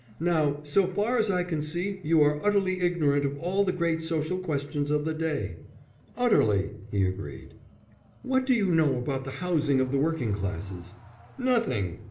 "Now, so far as I can see you are utterly ignorant of all the great social questions of the day." "Utterly!" he agreed. "What do you know about the Housing of the Working Classes?" "Nothing!"